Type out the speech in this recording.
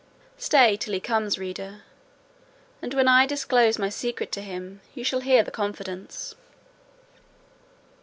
Stay till he comes, reader; and, when I disclose my secret to him, you shall share the confidence.